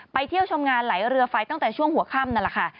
เที่ยวชมงานไหลเรือไฟตั้งแต่ช่วงหัวค่ำนั่นแหละค่ะ